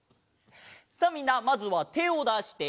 さっみんなまずはてをだして。